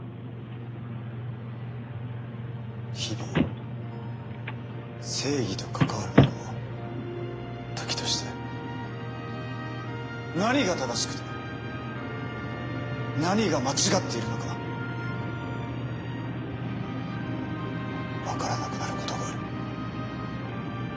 日々正義と関わる者は時として何が正しくて何が間違っているのか分からなくなることがある。